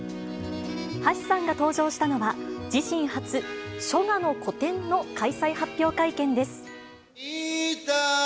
橋さんが登場したのは自身初、書画の個展の開催発表会見です。